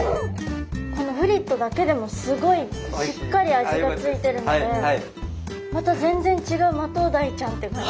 このフリットだけでもすごいしっかり味が付いてるのでまた全然違うマトウダイちゃんって感じ。